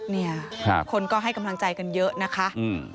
เนี่ยคนก็ให้กำลังใจกันเยอะนะคะอืม